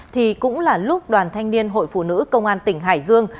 thì cũng là lúc đoàn thanh niên hội phụ nữ công an tỉnh hải dương